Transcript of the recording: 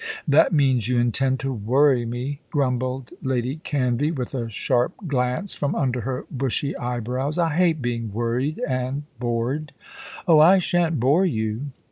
"That means you intend to worry me," grumbled Lady Canvey, with a sharp glance from under her bushy eyebrows. "I hate being worried and bored." "Oh, I shan't bore you."